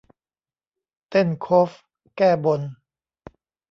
เต้นโคฟแก้บน